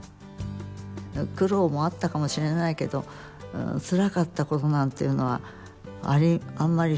苦労もあったかもしれないけどつらかったことなんていうのはあんまりその思い出しませんですね